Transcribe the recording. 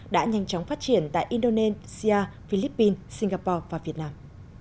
đã nhanh chóng phát triển tại indonesia philippines singapore và việt nam